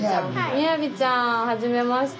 雅ちゃんはじめまして。